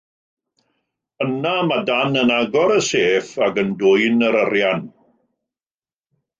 Yna mae Dan yn agor y sêff ac yn dwyn yr arian.